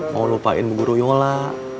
mau lupain guru yola